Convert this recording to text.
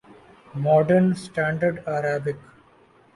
modern standard Arabi